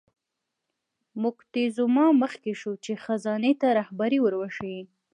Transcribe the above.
موکتیزوما مخکې شو چې خزانې ته رهبري ور وښیي.